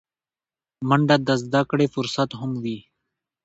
منډه د زدهکړې فرصت هم وي